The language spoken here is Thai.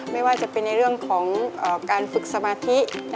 ไม่ว่าจะเป็นในเรื่องของการฝึกสมาธิ